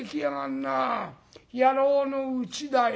野郎のうちだよ。